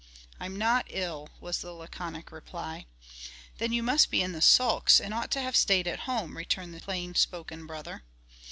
"I'm not ill," was the laconic reply. "Then you must be in the sulks, and ought to have staid at home," returned the plain spoken brother.